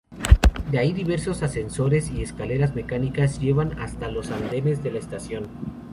De ahí diversos ascensores y escaleras mecánicas llevan hasta los andenes de la estación.